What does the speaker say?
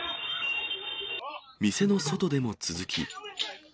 店の外でも続き。